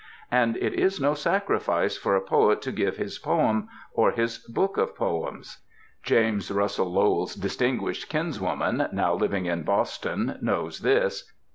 And it is no sacrifice for a poet to give his poem or his book of poems. James Russell LowelTp distinguished kinswoman, now liv ing in Boston, knows this.